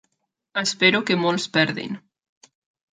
Espero que molts perdin.